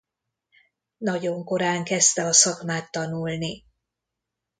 Nagyon korán kezdte a szakmát tanulni.